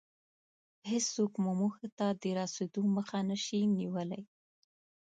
هېڅوک مو موخې ته د رسېدو مخه نشي نيولی.